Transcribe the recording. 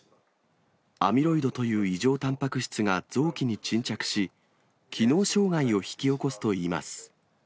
アミロイドという異常たんぱく質が臓器に沈着し、機能障害を引き起こすといいます。